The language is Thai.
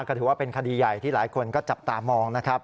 ก็ถือว่าเป็นคดีใหญ่ที่หลายคนก็จับตามองนะครับ